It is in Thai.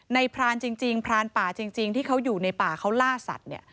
พรานจริงพรานป่าจริงที่เขาอยู่ในป่าเขาล่าสัตว์เนี่ย